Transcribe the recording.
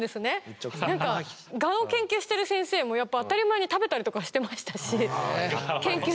何か蛾を研究してる先生もやっぱ当たり前に食べたりとかしてましたし研究のために。